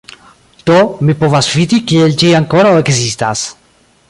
Do, mi povas vidi kiel ĝi ankoraŭ ekzistas